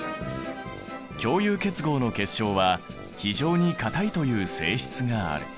共有結合の結晶は非常に硬いという性質がある。